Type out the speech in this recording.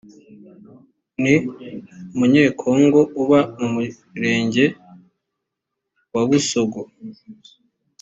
ni umunyekongo uba mu murenge wa busogo